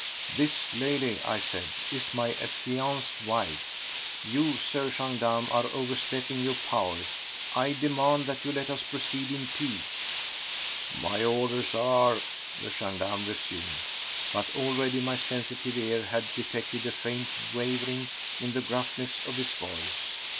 "This lady," I said, "is my affianced wife. You, Sir Gendarme, are overstepping your powers. I demand that you let us proceed in peace." "My orders are—" the gendarme resumed; but already my sensitive ear had detected a faint wavering in the gruffness of his voice.